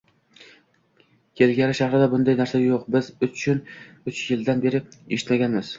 Kalgari shahrida bunday narsa yo'q, biz uch yildan beri eshitmaganmiz